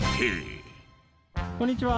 こんにちは。